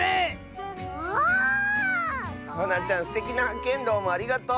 すてきなはっけんどうもありがとう！